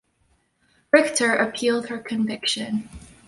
Richter appealed her conviction.